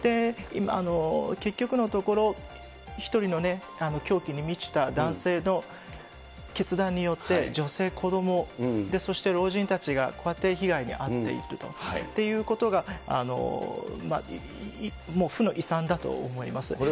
今、結局のところ、一人の狂気に満ちた男性の決断によって、女性、子ども、そして老人たちが、こうやって被害に遭っているということが負の遺産だと思います。